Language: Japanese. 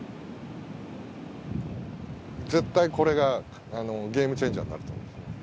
絶対これがゲームチェンジャーになると思いますね。